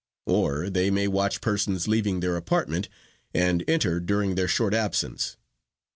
Or, they may watch persons leaving their apartment, and enter during their short absence.